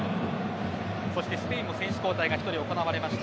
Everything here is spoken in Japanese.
そして、スペインも選手交代が１人、行われました。